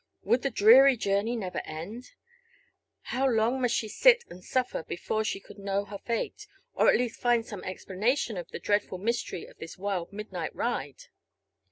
Would the dreary journey never end? How long must she sit and suffer before she could know her fate, or at least find some explanation of the dreadful mystery of this wild midnight ride?